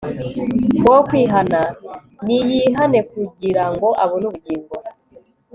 Wokwihana niyihane kugira ngo abone ubugingo